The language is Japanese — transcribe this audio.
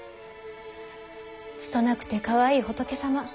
拙くてかわいい仏様。